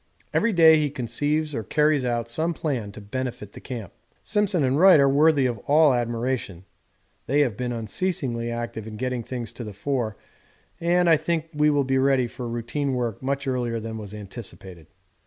Every day he conceives or carries out some plan to benefit the camp. Simpson and Wright are worthy of all admiration: they have been unceasingly active in getting things to the fore and I think will be ready for routine work much earlier than was anticipated.